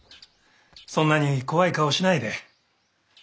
そんなに怖い顔しないで。